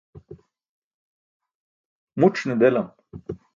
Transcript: muc̣ ne delam.